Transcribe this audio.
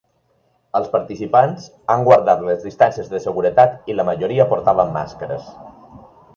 Els participants han guardat les distàncies de seguretat i la majoria portaven màscares.